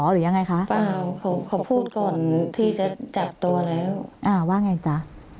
หรือยังไงคะเขาพูดก่อนที่จะจับตัวแล้วว่าไงจ๊ะ